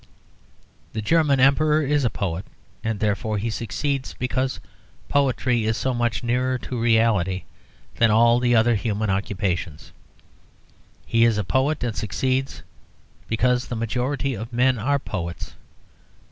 The German Emperor is a poet, and therefore he succeeds, because poetry is so much nearer to reality than all the other human occupations. He is a poet, and succeeds because the majority of men are poets.